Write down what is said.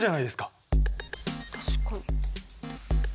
確かに。